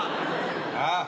ああ。